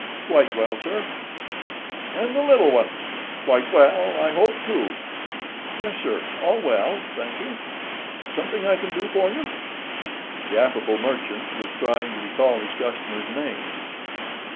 "Quite well, sir." "And the little ones—quite well, I hope, too?" "Yes, sir; all well, thank you. Something I can do for you?" The affable merchant was trying to recall his customer's name.